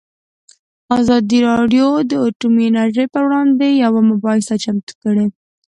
ازادي راډیو د اټومي انرژي پر وړاندې یوه مباحثه چمتو کړې.